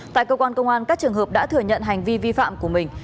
tại cơ quan công an các trường hợp đã thừa nhận hành vi vi phạm của mình